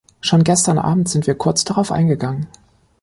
Schon gestern Abend sind wir kurz darauf eingegangen.